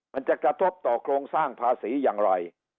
มันจะกระทบต่อโครงสร้างภาษีอย่างไร